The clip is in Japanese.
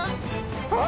あっ！